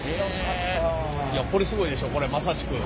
これすごいでしょこれはまさしく。